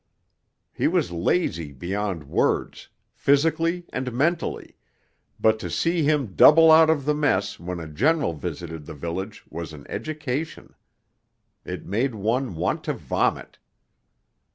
He was lazy beyond words, physically and mentally, but to see him double out of the mess when a general visited the village was an education. It made one want to vomit....